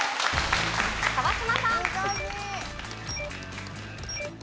川島さん。